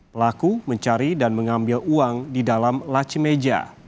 pelaku mencari dan mengambil uang di dalam laci meja